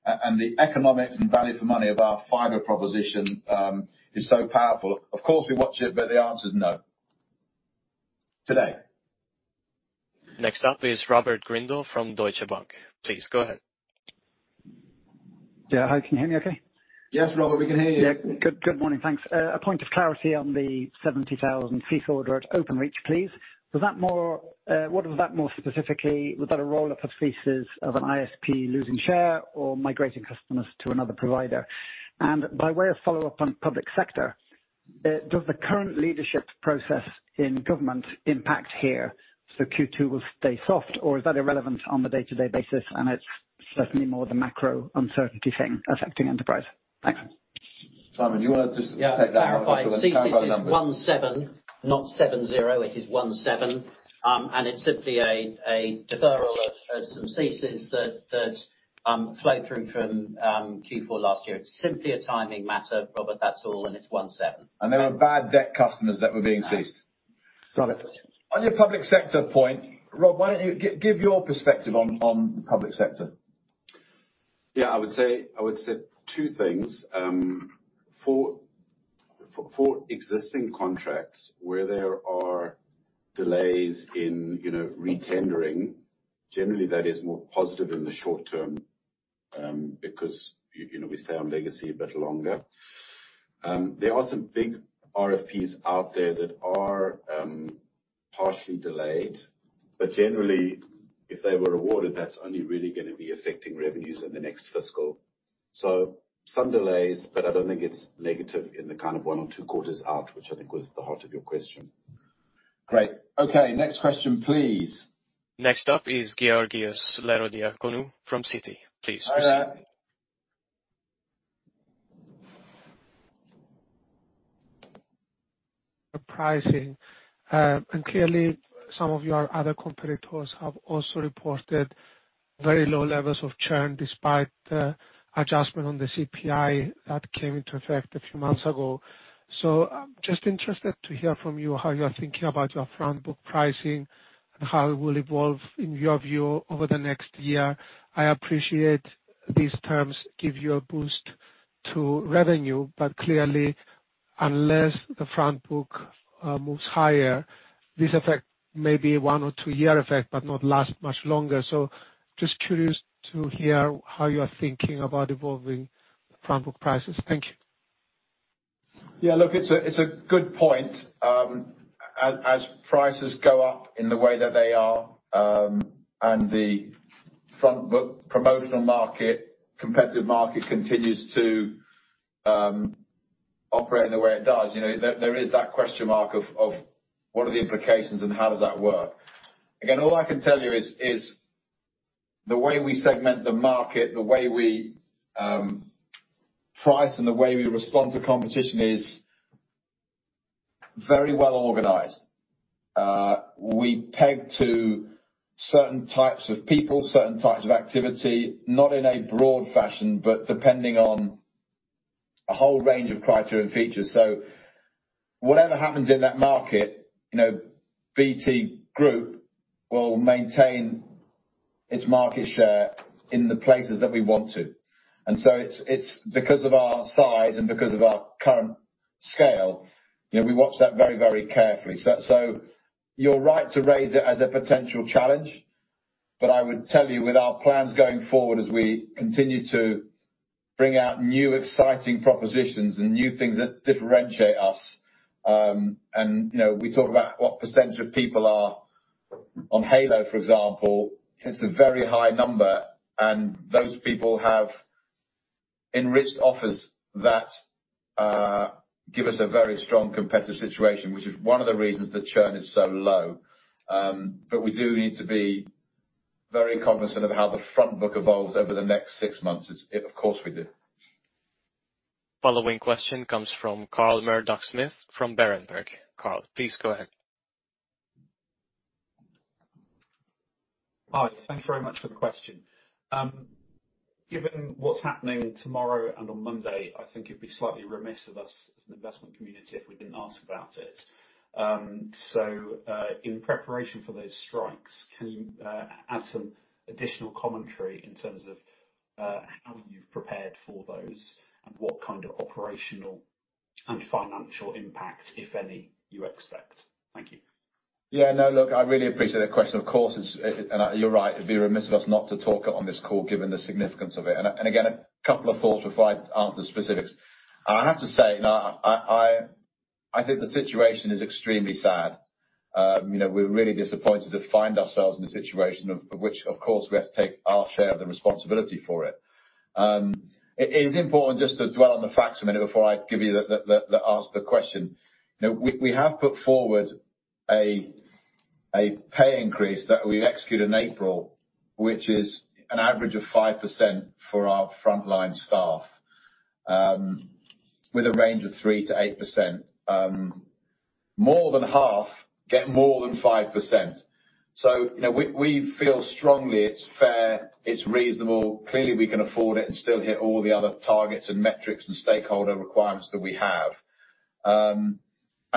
S3: And the economics and value for money of our fiber proposition is so powerful. Of course, we watch it, but the answer is no. Today.
S1: Next up is Robert Grindle from Deutsche Bank. Please go ahead.
S14: Yeah. Hi, can you hear me okay?
S3: Yes, Robert, we can hear you.
S14: Good morning. Thanks. A point of clarity on the GDP 70,000 fee forward Openreach, please. What is that more specifically? Was that a roll-up of fees of an ISP losing share or migrating customers to another provider? By way of follow-up on public sector, does the current leadership process in government impact here, so Q2 will stay soft, or is that irrelevant on the day-to-day basis and it's certainly more of a macro uncertainty thing affecting enterprise? Thanks.
S3: Simon, do you wanna just take that one?
S9: Yeah. To clarify, the thesis is 17, not 70. It is 17. It's simply a deferral of some thesis that flow through from Q4 last year. It's simply a timing matter, Robert. That's all, and it's 17.
S3: They were bad debt customers that were being ceased.
S14: Got it.
S3: On your public sector point, Rob, why don't you give your perspective on the public sector?
S5: Yeah, I would say two things. For existing contracts where there are delays in, you know, re-tendering, generally that is more positive in the short term, because you know, we stay on legacy a bit longer. There are some big RFPs out there that are partially delayed, but generally if they were awarded, that's only really gonna be affecting revenues in the next fiscal. Some delays, but I don't think it's negative in the kind of one or two quarters out, which I think was the heart of your question.
S3: Great. Okay. Next question, please.
S1: Next up is Georgios Ierodiaconou from Citi. Please proceed.
S3: Hiya.
S15: The pricing, and clearly some of your other competitors have also reported very low levels of churn despite the adjustment on the CPI that came into effect a few months ago. I'm just interested to hear from you how you're thinking about your front book pricing and how it will evolve in your view over the next year? I appreciate these terms give you a boost to revenue, but clearly unless the front book moves higher, this effect may be one or two year effect, but not last much longer. Just curious to hear how you are thinking about evolving front book prices? Thank you.
S3: Yeah, look, it's a good point. As prices go up in the way that they are, and the front book promotional market, competitive market continues to operate in the way it does, you know, there is that question mark of what are the implications and how does that work. Again, all I can tell you is the way we segment the market, the way we price and the way we respond to competition is very well organized. We peg to certain types of people, certain types of activity, not in a broad fashion, but depending on a whole range of criteria and features. Whatever happens in that market, you know, BT Group will maintain its market share in the places that we want to. It's because of our size and because of our current scale, you know, we watch that very, very carefully. You're right to raise it as a potential challenge, but I would tell you with our plans going forward as we continue to bring out new exciting propositions and new things that differentiate us, and, you know, we talk about what percentage of people are on Halo, for example, it's a very high number, and those people have enriched offers that give us a very strong competitive situation, which is one of the reasons that churn is so low. We do need to be very cognizant of how the front book evolves over the next six months. It's, of course we do.
S1: Following question comes from Carl Murdock-Smith from Berenberg. Carl, please go ahead.
S16: Hi. Thank you very much for the question. Given what's happening tomorrow and on Monday, I think it'd be slightly remiss of us as an investment community if we didn't ask about it. In preparation for those strikes, can you add some additional commentary in terms of how you've prepared for those and what kind of operational and financial impact, if any, you expect? Thank you.
S3: Yeah, no. Look, I really appreciate the question. Of course, it's. You're right. It'd be remiss of us not to talk on this call given the significance of it. Again, a couple of thoughts before I answer the specifics. I have to say, I think the situation is extremely sad. You know, we're really disappointed to find ourselves in a situation of which of course we have to take our share of the responsibility for it. It is important just to dwell on the facts a minute before I give you the answer the question. You know, we have put forward a pay increase that we execute in April, which is an average of 5% for our frontline staff, with a range of 3%-8%. More than half get more than 5%. You know, we feel strongly it's fair, it's reasonable. Clearly, we can afford it and still hit all the other targets and metrics and stakeholder requirements that we have.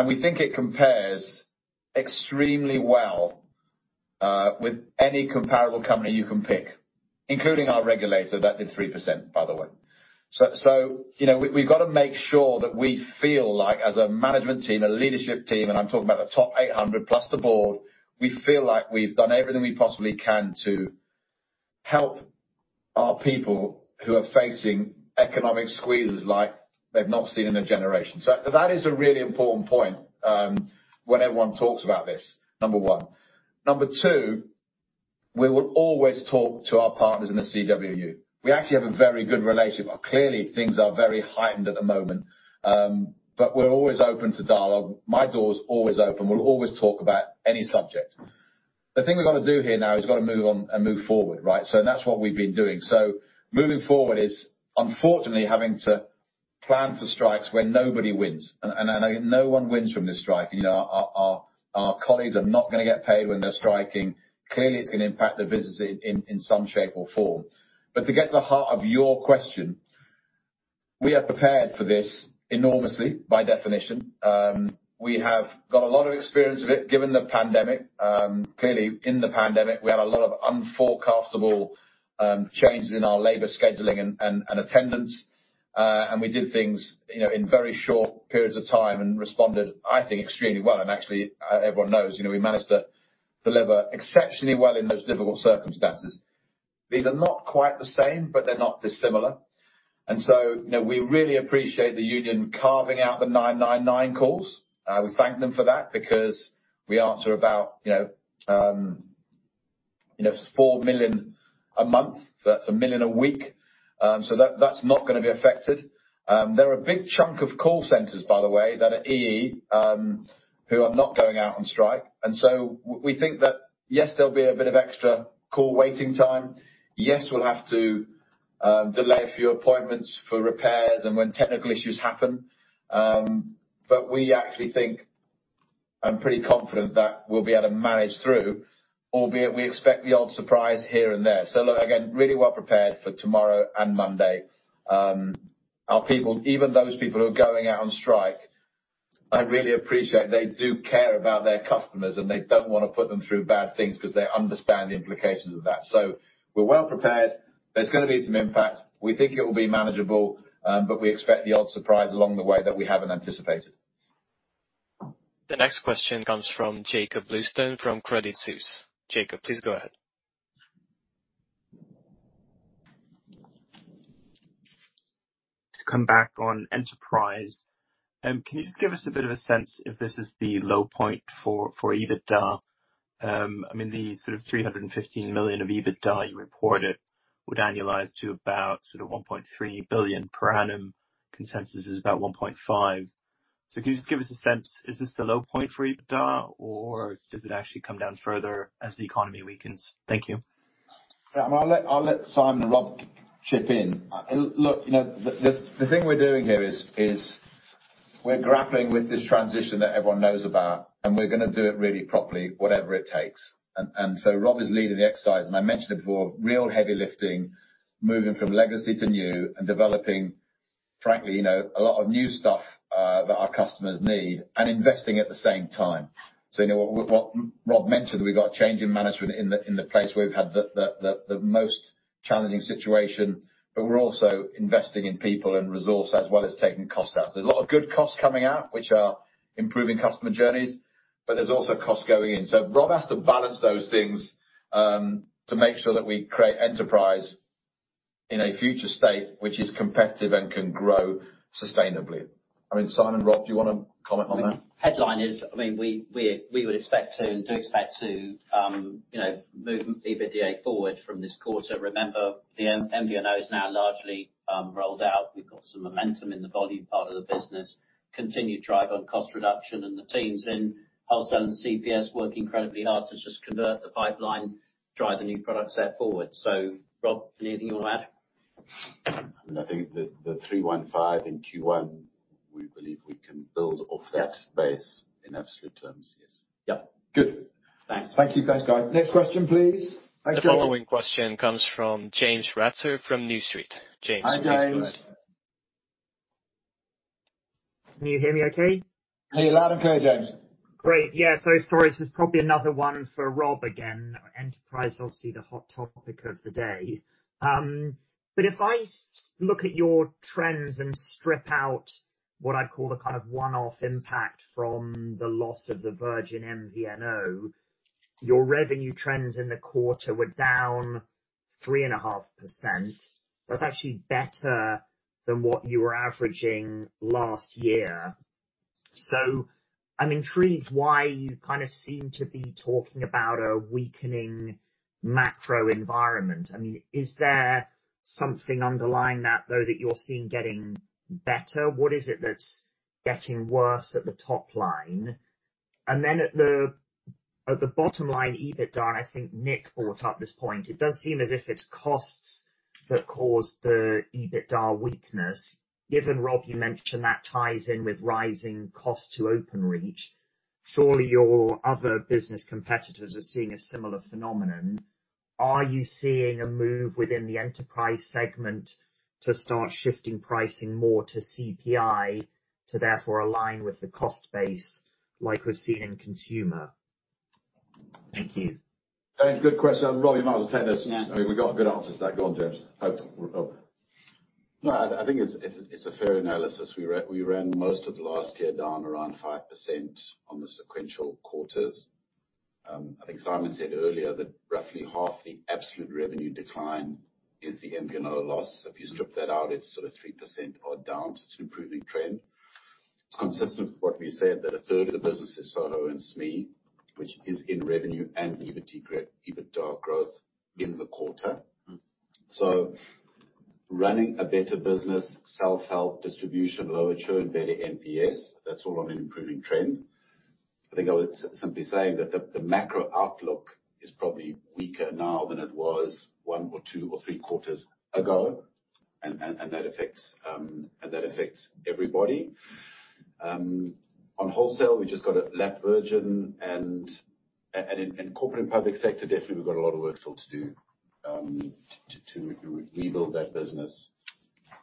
S3: We think it compares extremely well with any comparable company you can pick, including our regulator. That did 3%, by the way. You know, we've got to make sure that we feel like as a management team, a leadership team, and I'm talking about the top 800+ the board, we feel like we've done everything we possibly can to help our people who are facing economic squeezes like they've not seen in a generation. That is a really important point when everyone talks about this, number one. Number two, we will always talk to our partners in the CWU. We actually have a very good relationship. Clearly, things are very heightened at the moment, but we're always open to dialogue. My door's always open. We'll always talk about any subject. The thing we've got to do here now is we've got to move on and move forward, right? That's what we've been doing. Moving forward is unfortunately having to plan for strikes where nobody wins. I know no one wins from this strike. You know, our colleagues are not gonna get paid when they're striking. Clearly, it's gonna impact the business in some shape or form. To get to the heart of your question, we are prepared for this enormously by definition. We have got a lot of experience with it, given the pandemic. Clearly in the pandemic, we had a lot of unforecastable changes in our labor scheduling and attendance, and we did things, you know, in very short periods of time and responded, I think, extremely well. Actually, everyone knows, you know, we managed to deliver exceptionally well in those difficult circumstances. These are not quite the same, but they're not dissimilar. You know, we really appreciate the union carving out the 999 calls. We thank them for that because we answer about, you know, you know, 4 million a month. That's 1 million a week. That, that's not gonna be affected. There are a big chunk of call centers, by the way, that are EE, who are not going out on strike. We think that, yes, there'll be a bit of extra call waiting time. Yes, we'll have to delay a few appointments for repairs and when technical issues happen. We actually think I'm pretty confident that we'll be able to manage through, albeit we expect the odd surprise here and there. Look, again, really well prepared for tomorrow and Monday. Our people, even those people who are going out on strike, I really appreciate they do care about their customers, and they don't wanna put them through bad things 'cause they understand the implications of that. We're well prepared. There's gonna be some impact. We think it will be manageable, but we expect the odd surprise along the way that we haven't anticipated.
S1: The next question comes from Jakob Bluestone from Credit Suisse. Jakob, please go ahead.
S17: To come back on enterprise, can you just give us a bit of a sense if this is the low point for EBITDA? I mean, the sort of 315 million of EBITDA you reported would annualize to about sort of 1.3 billion per annum. Consensus is about 1.5 billion. Can you just give us a sense, is this the low point for EBITDA, or does it actually come down further as the economy weakens? Thank you.
S3: I'll let Simon and Rob chip in. Look, you know, the thing we're doing here is we're grappling with this transition that everyone knows about, and we're gonna do it really properly, whatever it takes. Rob is leading the exercise, and I mentioned it before, real heavy lifting, moving from legacy to new and developing, frankly, you know, a lot of new stuff that our customers need and investing at the same time. You know, what Rob mentioned, we've got change in management in the place where we've had the most challenging situation, but we're also investing in people and resource as well as taking costs out. There's a lot of good costs coming out, which are improving customer journeys, but there's also costs going in. Rob has to balance those things, to make sure that we create enterprise in a future state which is competitive and can grow sustainably. I mean, Simon, Rob, do you wanna comment on that?
S9: Headline is, I mean, we would expect to, and do expect to, you know, move EBITDA forward from this quarter. Remember, the MVNO is now largely rolled out. We've got some momentum in the volume part of the business, continued drive on cost reduction, and the teams in Wholesale and CPS work incredibly hard to just convert the pipeline, drive the new product set forward. Rob, anything you wanna add?
S5: I think the 315 in Q1, we believe we can build off that base in absolute terms, yes.
S9: Yep.
S3: Good.
S9: Thanks.
S3: Thank you. Thanks, guys. Next question, please.
S1: The following question comes from James Ratzer from New Street Research. James, please go ahead.
S3: Hi, James.
S18: Can you hear me okay?
S3: Hey, loud and clear, James.
S18: Great. Yeah, sorry, this is probably another one for Rob again. Enterprise, obviously the hot topic of the day. If I look at your trends and strip out what I call the kind of one-off impact from the loss of the Virgin MVNO, your revenue trends in the quarter were down 3.5%. That's actually better than what you were averaging last year. I'm intrigued why you kind of seem to be talking about a weakening macro environment. I mean, is there something underlying that, though, that you're seeing getting better? What is it that's getting worse at the top line and then at the bottom line, EBITDA, and I think Nick brought up this point, it does seem as if it's costs that cause the EBITDA weakness. Given, Rob, you mentioned that ties in with rising cost to Openreach, surely your other business competitors are seeing a similar phenomenon. Are you seeing a move within the enterprise segment to start shifting pricing more to CPI to therefore align with the cost base like we're seeing in consumer? Thank you.
S3: James, good question. Rob, you might as well take this.
S5: Yeah.
S3: I mean, we got good answers to that. Go on, James. Over.
S5: No, I think it's a fair analysis. We ran most of last year down around 5% on the sequential quarters. I think Simon said earlier that roughly half the absolute revenue decline is the MVNO loss. If you strip that out, it's sort of 3% or down, so it's improving trend. Consistent with what we said, that a third of the business is Soho and SME, which is in revenue and EBITDA growth in the quarter.
S3: Mm-hmm.
S5: Running a better business, self-help distribution, lower churn, better NPS, that's all on an improving trend. I think I would simply say that the macro outlook is probably weaker now than it was one or two or three quarters ago, and that affects everybody. On wholesale, we just got to lap Virgin and in corporate and public sector, definitely we've got a lot of work still to do to rebuild that business.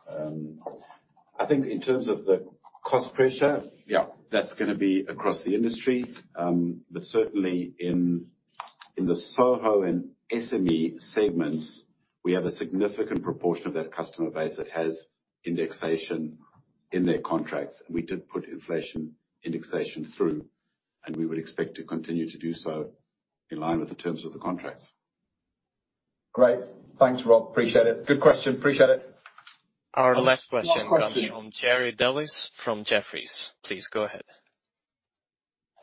S5: I think in terms of the cost pressure.
S3: Yeah.
S5: That's gonna be across the industry. Certainly in the SOHO and SME segments, we have a significant proportion of that customer base that has indexation in their contracts, and we did put inflation indexation through, and we would expect to continue to do so in line with the terms of the contracts.
S3: Great. Thanks, Rob. Appreciate it. Good question. Appreciate it.
S1: Our next question comes from Jerry Dellis from Jefferies. Please go ahead.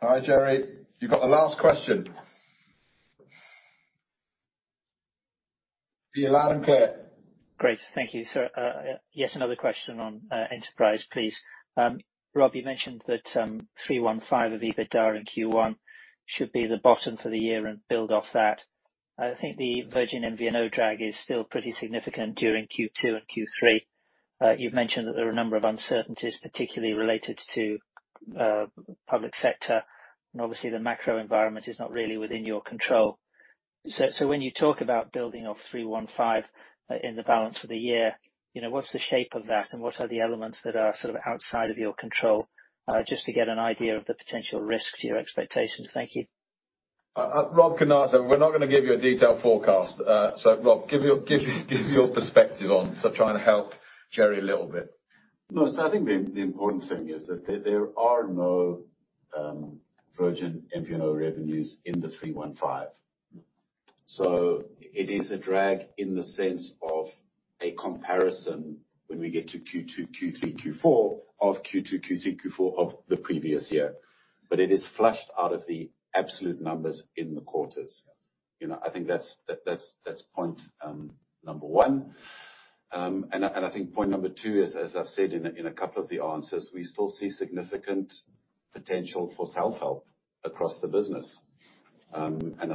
S3: Hi, Gerry. You've got the last question. Be loud and clear.
S19: Great. Thank you, sir. Yes, another question on Enterprise, please. Rob, you mentioned that 315 of EBITDA in Q1 should be the bottom for the year and build off that. I think the Virgin MVNO drag is still pretty significant during Q2 and Q3. You've mentioned that there are a number of uncertainties, particularly related to public sector, and obviously the macro environment is not really within your control. When you talk about building off 315 in the balance of the year, you know, what's the shape of that and what are the elements that are sort of outside of your control? Just to get an idea of the potential risk to your expectations. Thank you.
S3: Rob can answer. We're not gonna give you a detailed forecast. Rob, give your perspective on to try and help Jerry a little bit.
S5: No. I think the important thing is that there are no Virgin MVNO revenues in the 315.
S3: Mm-hmm.
S5: It is a drag in the sense of a comparison when we get to Q2, Q3, Q4 of Q2, Q3, Q4 of the previous year. It is flushed out of the absolute numbers in the quarters.
S3: Yeah.
S5: You know, I think that's point number one. I think point number two is, as I've said in a couple of the answers, we still see significant potential for self-help across the business. I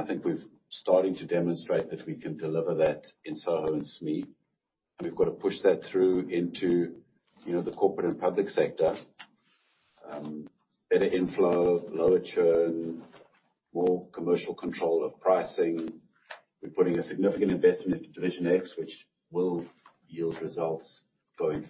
S5: think we've starting to demonstrate that we can deliver that in SOHO and SME, and we've got to push that through into, you know, the corporate and public sector. Better inflow, lower churn, more commercial control of pricing. We're putting a significant investment into Division X, which will yield results going.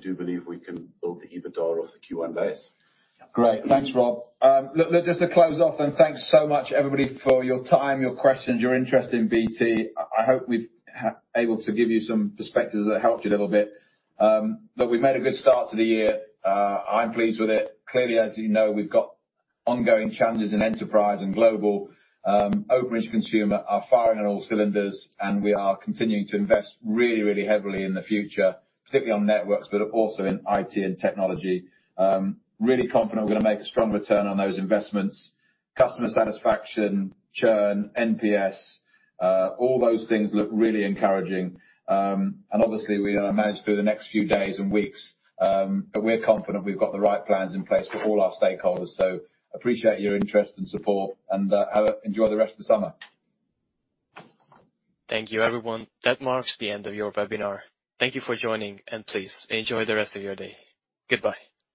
S5: We do believe we can build the EBITDA off the Q1 base.
S3: Great. Thanks, Rob. Look, just to close off then, thanks so much, everybody, for your time, your questions, your interest in BT. I hope we've been able to give you some perspectives that helped you a little bit. Look, we've made a good start to the year. I'm pleased with it. Clearly, as you know, we've got ongoing challenges in Enterprise and Global. Openreach, Consumer are firing on all cylinders, and we are continuing to invest really heavily in the future, particularly on networks but also in IT and technology. Really confident we're gonna make a strong return on those investments. Customer satisfaction, churn, NPS, all those things look really encouraging. Obviously, we gotta manage through the next few days and weeks, but we're confident we've got the right plans in place for all our stakeholders. Appreciate your interest and support, and enjoy the rest of the summer.
S1: Thank you, everyone. That marks the end of your webinar. Thank you for joining, and please enjoy the rest of your day. Goodbye.